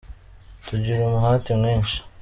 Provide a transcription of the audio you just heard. tugira umuhate mwinshi.